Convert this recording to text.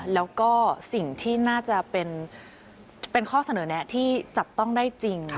แล้วก็สิ่งที่น่าจะเป็นข้อเสนอแนะที่จับต้องได้จริง